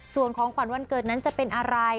ส่วนของขวัญวันเกิดนั้นจะเป็นอะไร